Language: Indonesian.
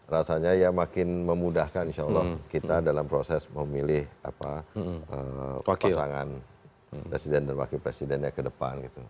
rasanya ya makin memudahkan insya allah kita dalam proses memilih pasangan presiden dan wakil presidennya ke depan